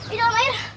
itu doang air